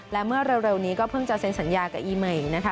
และเมื่อเร็วนี้ก็เพิ่งจะเซ็นสัญญากับอีใหม่นะคะ